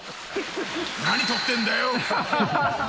何撮ってんだよ！